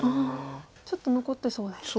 ちょっと残ってそうですか。